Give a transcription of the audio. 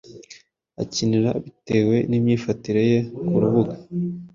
akinira bitewe n’imyifatire ye ku rubuga.